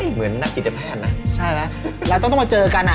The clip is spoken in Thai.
เหมือนนักจิตแพทย์นะใช่ไหมเราต้องมาเจอกันอ่ะ